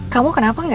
kamu kenapa engga